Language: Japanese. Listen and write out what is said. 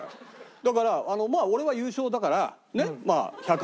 だからまあ俺は優勝だからまあ１００。